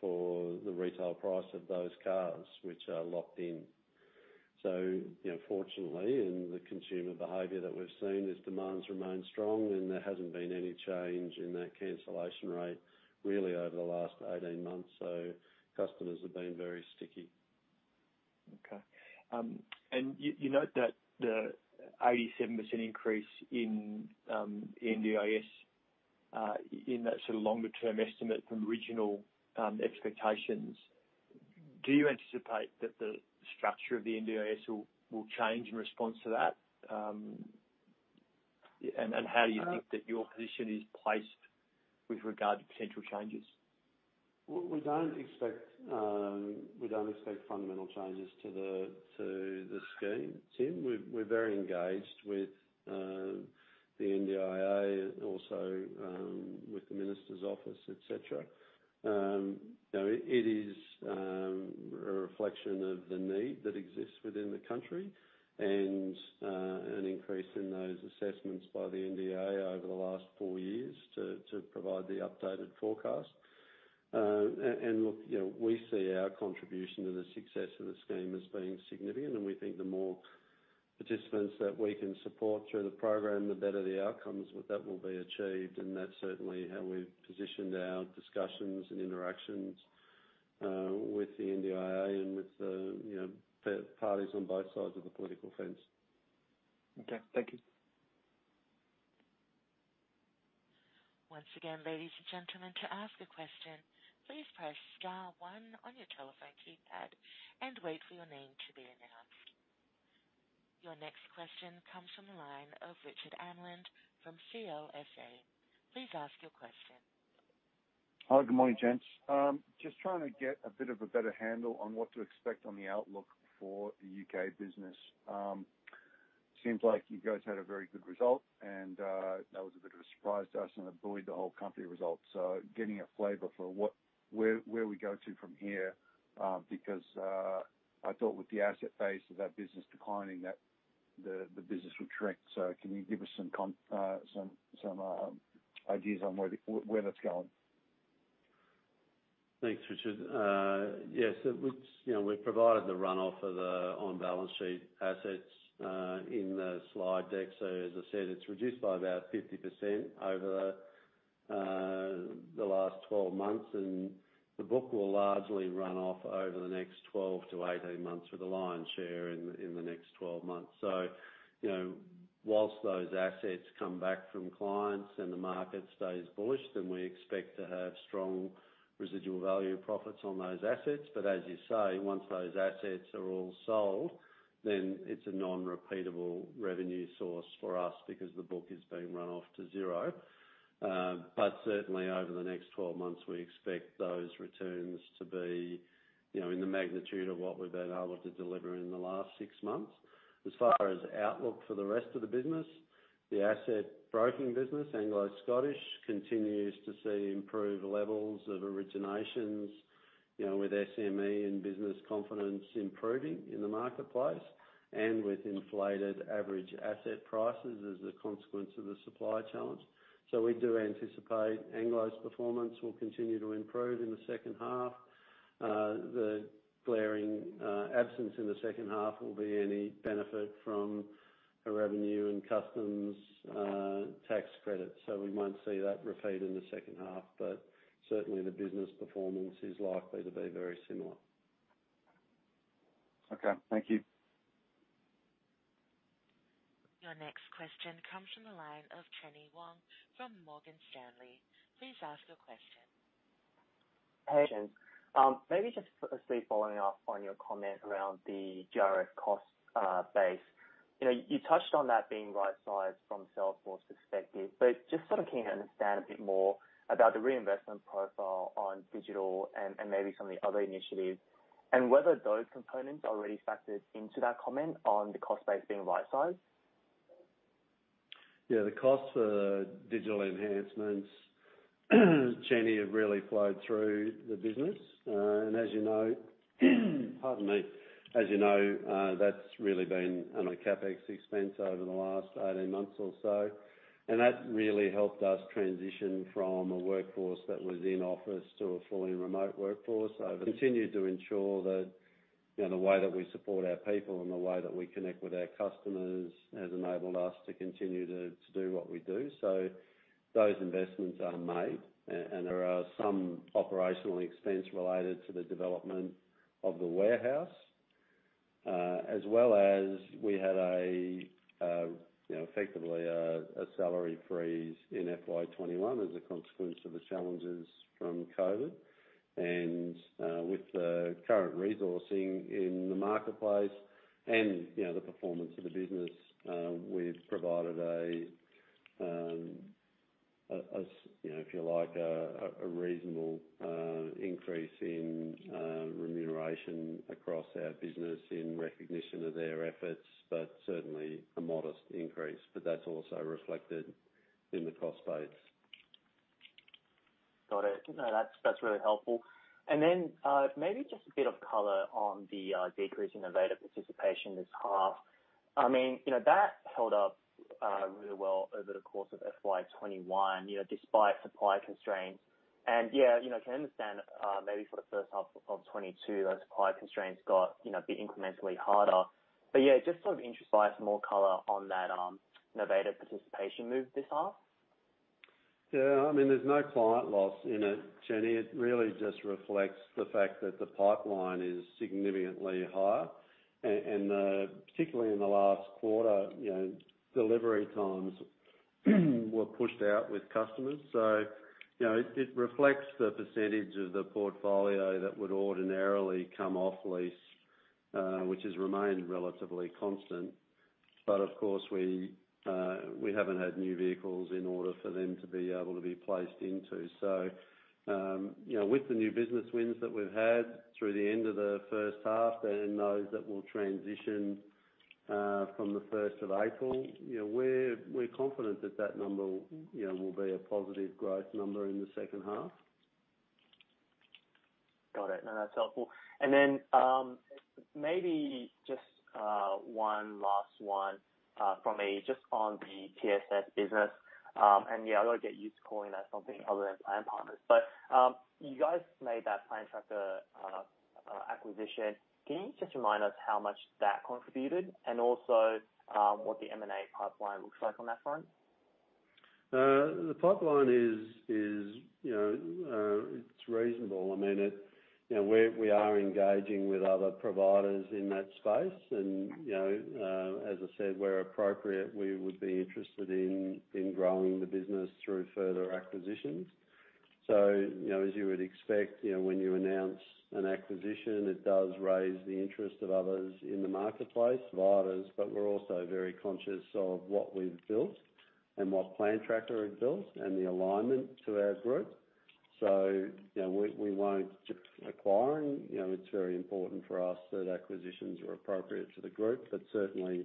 for the retail price of those cars which are locked in. You know, fortunately, in the consumer behavior that we've seen is demand remains strong and there hasn't been any change in that cancellation rate really over the last 18 months. Customers have been very sticky. Okay. You note that the 87% increase in NDIS in that sort of longer term estimate from regional expectations. Do you anticipate that the structure of the NDIS will change in response to that? How do you think that your position is placed with regard to potential changes? We don't expect fundamental changes to the scheme, Tim. We're very engaged with the NDIA and also with the minister's office, et cetera. You know, it is a reflection of the need that exists within the country and an increase in those assessments by the NDIA over the last four years to provide the updated forecast. Look, you know, we see our contribution to the success of the scheme as being significant, and we think the more participants that we can support through the program, the better the outcomes that will be achieved. That's certainly how we've positioned our discussions and interactions with the NDIA and with the, you know, the parties on both sides of the political fence. Okay. Thank you. Once again, ladies and gentlemen, to ask a question, please press star one on your telephone keypad and wait for your name to be announced. Your next question comes from the line of Richard Amland from CLSA. Please ask your question. Hi, good morning, gents. Just trying to get a bit of a better handle on what to expect on the outlook for the U.K. business. Seems like you guys had a very good result, and that was a bit of a surprise to us and it buoyed the whole company results. Getting a flavor for where we go from here, because I thought with the asset base of that business declining that the business would shrink. Can you give us some ideas on where that's going? Thanks, Richard. Yes. You know, we've provided the run-off of the on-balance sheet assets in the slide deck. As I said, it's reduced by about 50% over the last 12 months, and the book will largely run off over the next 12-18 months with a lion's share in the next 12 months. You know, while those assets come back from clients and the market stays bullish, then we expect to have strong residual value profits on those assets. As you say, once those assets are all sold, then it's a non-repeatable revenue source for us because the book is being run off to zero. Certainly over the next 12 months, we expect those returns to be, you know, in the magnitude of what we've been able to deliver in the last six months. As far as outlook for the rest of the business, the asset broking business, Anglo Scottish, continues to see improved levels of originations, you know, with SME and business confidence improving in the marketplace and with inflated average asset prices as a consequence of the supply challenge. We do anticipate Anglo's performance will continue to improve in the second half. The glaring absence in the second half will be any benefit from an HMRC tax credit. We won't see that repeat in the second half, but certainly the business performance is likely to be very similar. Okay, thank you. Your next question comes from the line of Chenny Wang from Morgan Stanley. Please ask your question. Hey, Mike. Maybe just simply following up on your comment around the GRS cost base. You know, you touched on that being right size from Salesforce perspective, but just sort of keen to understand a bit more about the reinvestment profile on digital and maybe some of the other initiatives, and whether those components are already factored into that comment on the cost base being right size. Yeah. The costs for digital enhancements, Chenny, have really flowed through the business. As you know, that's really been on a CapEx expense over the last 18 months or so, and that really helped us transition from a workforce that was in office to a fully remote workforce. Continue to ensure that, you know, the way that we support our people and the way that we connect with our customers has enabled us to continue to do what we do. Those investments are made, and there are some operational expense related to the development of the warehouse, as well as we had a, you know, effectively a salary freeze in FY 2021 as a consequence of the challenges from COVID. With the current resourcing in the marketplace and, you know, the performance of the business, we've provided a reasonable increase in remuneration across our business in recognition of their efforts, but certainly a modest increase. That's also reflected in the cost base. Got it. No, that's really helpful. Then, maybe just a bit of color on the decrease in Novated Participation this half. I mean, you know, that held up really well over the course of FY 2021, you know, despite supply constraints. Yeah, you know, can understand maybe for the first half of 2022, those supply constraints got, you know, a bit incrementally harder. Yeah, just sort of interested by some more color on that Novated Participation move this half. Yeah. I mean, there's no client loss in it, Chenny. It really just reflects the fact that the pipeline is significantly higher, and particularly in the last quarter, you know, delivery times were pushed out with customers. You know, it reflects the percentage of the portfolio that would ordinarily come off lease, which has remained relatively constant. Of course, we haven't had new vehicles in order for them to be able to be placed into. You know, with the new business wins that we've had through the end of the first half and those that will transition from the first of April, you know, we're confident that that number will be a positive growth number in the second half. Got it. No, that's helpful. Then, maybe just one last one from me just on the PSS business. Yeah, I've got to get used to calling that something other than Plan Partners. You guys made that Plan Tracker acquisition. Can you just remind us how much that contributed and also what the M&A pipeline looks like on that front? The pipeline is, you know, it's reasonable. I mean, it, you know, we are engaging with other providers in that space and, you know, as I said, where appropriate, we would be interested in growing the business through further acquisitions. You know, as you would expect, you know, when you announce an acquisition, it does raise the interest of others in the marketplace providers. We're also very conscious of what we've built and what Plan Tracker had built and the alignment to our group. You know, we won't just acquire and, you know, it's very important for us that acquisitions are appropriate to the group. Certainly,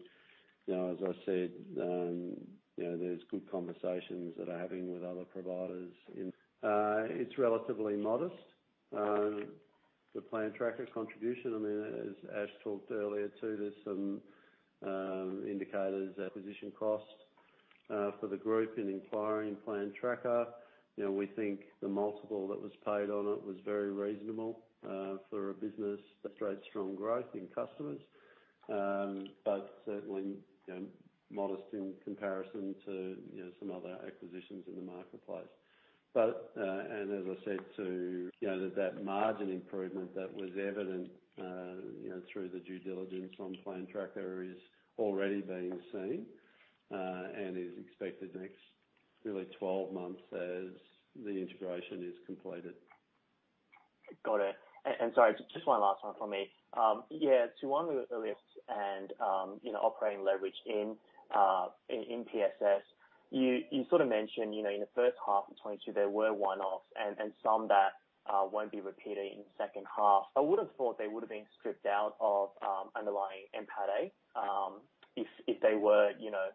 you know, as I said, there's good conversations that are having with other providers in. It's relatively modest, the Plan Tracker contribution. I mean, as Ash talked earlier, too, there's some indicative acquisition costs for the group in acquiring Plan Tracker. You know, we think the multiple that was paid on it was very reasonable for a business that's showed strong growth in customers. Certainly, you know, modest in comparison to some other acquisitions in the marketplace. And as I said, you know, that margin improvement that was evident through the due diligence on Plan Tracker is already being seen and is expected in the next 12 months as the integration is completed. Got it. Sorry, just one last one from me. Yeah, to honor the lifts and, you know, operating leverage in PSS, you sort of mentioned, you know, in the first half of 2022, there were one-offs and some that won't be repeated in the second half. I would have thought they would have been stripped out of underlying NPAT, if they were, you know,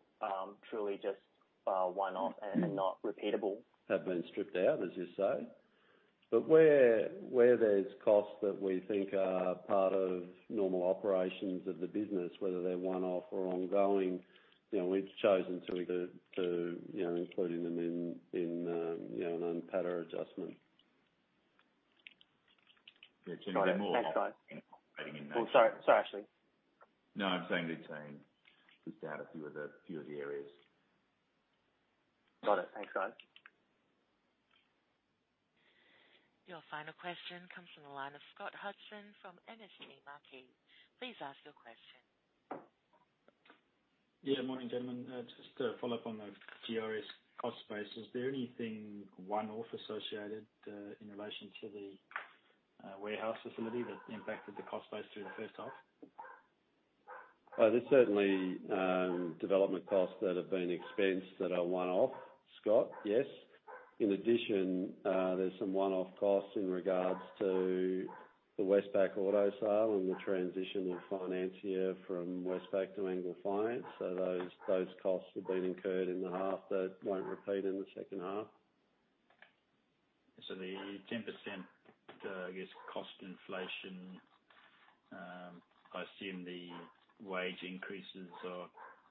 truly just one-off and not repeatable. Have been stripped out, as you say. Where there's costs that we think are part of normal operations of the business, whether they're one-off or ongoing, you know, we've chosen to you know, including them in you know, an MPAD adjustment. Yeah. There are more. Got it. Thanks, guys. in that. Well, sorry. Sorry, Ashley. No, I'm saying the same. Just to add a few other areas. Got it. Thanks, guys. Your final question comes from the line of Scott Hudson from MST Marquee. Please ask your question. Yeah, morning, gentlemen. Just to follow up on the GRS cost base, is there anything one-off associated in relation to the warehouse facility that impacted the cost base through the first half? There's certainly development costs that have been expensed that are one-off, Scott. Yes. In addition, there's some one-off costs in regards to the Westpac auto sale and the transition of financier from Westpac to Angle Finance. Those costs have been incurred in the half that won't repeat in the second half. The 10%, I guess, cost inflation, I assume the wage increases are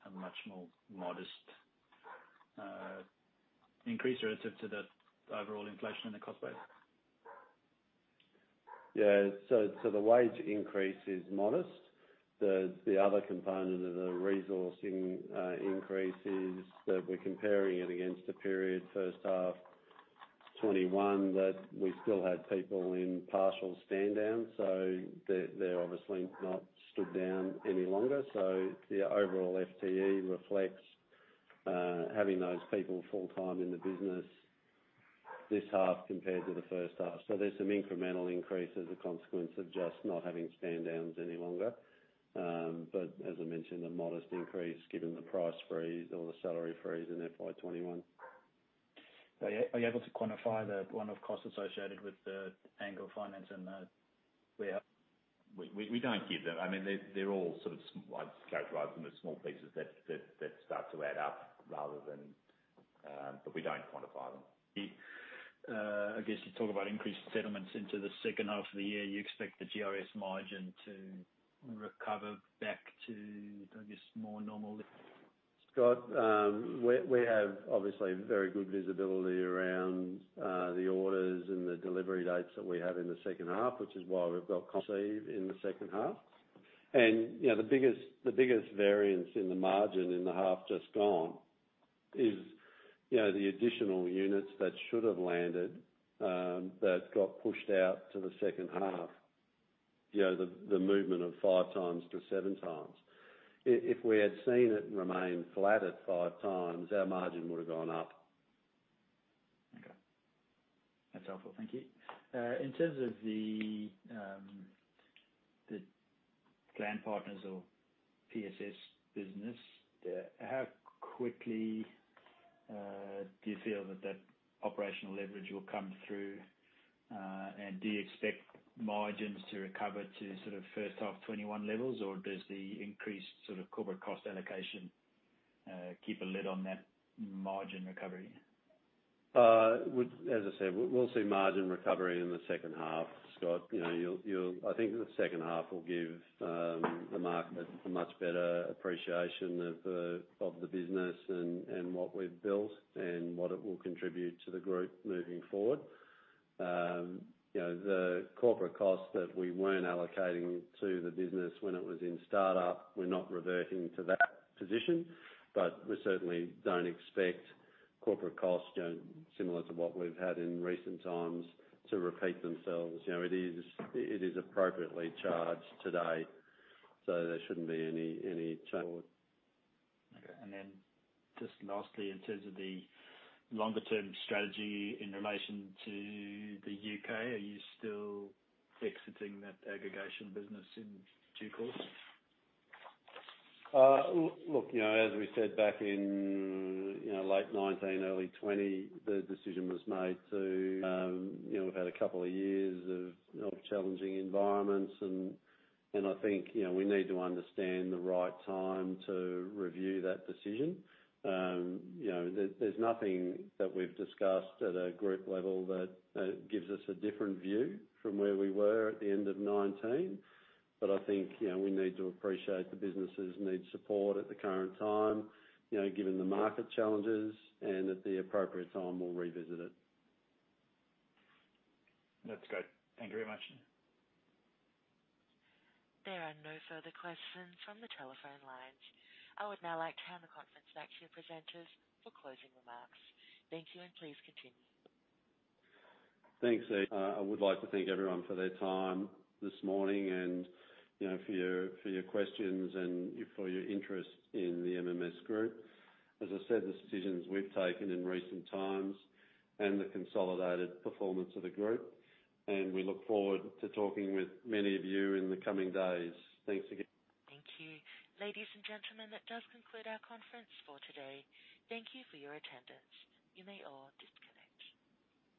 a much more modest increase relative to the overall inflation in the cost base? Yeah. The wage increase is modest. The other component of the resourcing increase is that we're comparing it against the period first half 2021 that we still had people in partial stand down, they're obviously not stood down any longer. The overall FTE reflects having those people full-time in the business this half compared to the first half. There's some incremental increases as a consequence of just not having standdowns any longer. As I mentioned, a modest increase given the price freeze or the salary freeze in FY 2021. Are you able to quantify the one-off costs associated with the Angle Finance and the warehouse? We don't give them. I mean, they're all sort of small. I'd characterize them as small pieces that start to add up rather than, but we don't quantify them. I guess you talk about increased settlements into the second half of the year. You expect the GRS margin to recover back to, I guess, more normal? Scott, we have obviously very good visibility around the orders and the delivery dates that we have in the second half, which is why we've got confidence in the second half. You know, the biggest variance in the margin in the half just gone is, you know, the additional units that should have landed that got pushed out to the second half. You know, the movement of 5 times-7 times. If we had seen it remain flat at 5 times, our margin would have gone up. Okay. That's helpful. Thank you. In terms of the Plan Partners or PSS business, how quickly do you feel that operational leverage will come through? Do you expect margins to recover to sort of first half 2021 levels, or does the increased sort of corporate cost allocation keep a lid on that margin recovery? As I said, we'll see margin recovery in the second half, Scott. You know, I think the second half will give the market a much better appreciation of the business and what we've built and what it will contribute to the group moving forward. You know, the corporate costs that we weren't allocating to the business when it was in start-up, we're not reverting to that position, but we certainly don't expect corporate costs, you know, similar to what we've had in recent times to repeat themselves. You know, it is appropriately charged today, so there shouldn't be any change. Okay. Just lastly, in terms of the longer term strategy in relation to the U.K., are you still exiting that aggregation business in due course? Look, you know, as we said back in, you know, late 2019, early 2020, the decision was made to, you know, we've had a couple of years of challenging environments and I think, you know, we need to understand the right time to review that decision. You know, there's nothing that we've discussed at a group level that gives us a different view from where we were at the end of 2019. I think, you know, we need to appreciate the businesses need support at the current time, you know, given the market challenges and at the appropriate time we'll revisit it. That's great. Thank you very much. There are no further questions from the telephone lines. I would now like to hand the conference back to your presenters for closing remarks. Thank you, and please continue. Thanks, A. I would like to thank everyone for their time this morning and, you know, for your questions and for your interest in the MMS Group. As I said, the decisions we've taken in recent times and the consolidated performance of the Group, and we look forward to talking with many of you in the coming days. Thanks again. Thank you. Ladies and gentlemen, that does conclude our conference for today. Thank you for your attendance. You may all disconnect.